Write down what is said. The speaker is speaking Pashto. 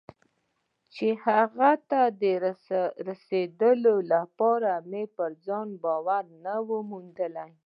چې هغه ته د رسېدو لپاره مې پر ځان باور نه وي موندلی.